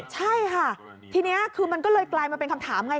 ใช่ค่ะทีนี้คือมันก็เลยกลายมาเป็นคำถามไง